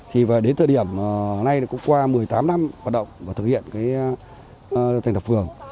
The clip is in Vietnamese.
thì đến thời điểm nay cũng qua một mươi tám năm hoạt động và thực hiện thành thập phường